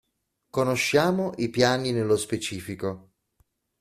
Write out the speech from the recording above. Conosciamo i piani nello specifico.